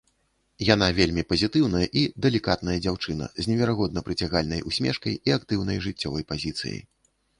Яна вельмі пазітыўная і далікатная дзяўчына з неверагодна прыцягальнай усмешкай і актыўнай жыццёвай пазіцыяй.